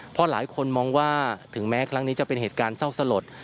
เพราะหลายคนมองว่าถึงแม้ครั้งนี้จะเป็นเหตุการณ์เศร้าสลด